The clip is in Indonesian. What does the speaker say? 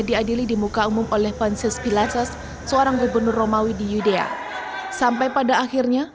diadili di muka umum oleh panses pilates seorang gubernur romawi di yuda sampai pada akhirnya